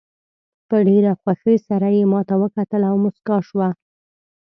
په ډېره خوښۍ سره یې ماته وکتل او موسکاه شوه.